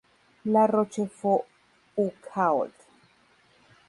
La Rochefoucauld